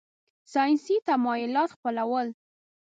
ساینسي تمایلات خپلول.